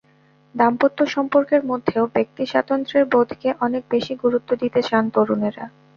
দাম্পত্য সম্পর্কের মধ্যেও ব্যক্তিস্বাতন্ত্র্যের বোধকে অনেক বেশি গুরুত্ব দিতে চান তরুণেরা।